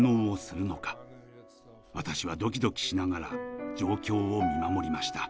私はドキドキしながら状況を見守りました。